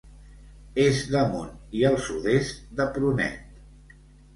És damunt i al sud-est de Prunet.